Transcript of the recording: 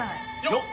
よっ！